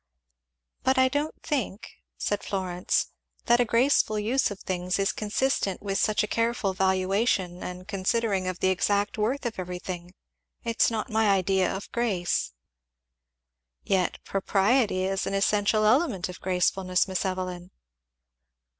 "But I don't think," said Florence, "that a graceful use of things is consistent with such a careful valuation and considering of the exact worth of everything it's not my idea of grace." "Yet propriety is an essential element of gracefulness, Miss Evelyn."